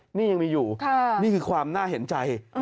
นี่ยังมีอยู่นี่คือความน่าเห็นใจ